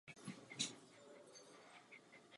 Vyšší stupně jsou travnaté a skalnaté.